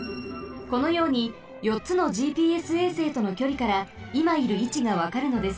このようによっつのＧＰＳ衛星とのきょりからいまいるいちがわかるのです。